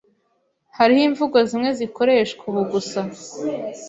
Hariho imvugo zimwe zikoreshwa ubu gusa.